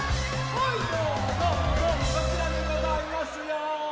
はいどうもどうもどうもこちらでございますよ。